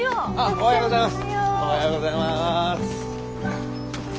・おはようございます！